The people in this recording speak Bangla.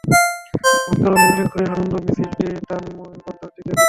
মক্কার অলিগলি ঘুরে আনন্দ মিছিলটি তানঈম প্রান্তরের দিকে এগুচ্ছে।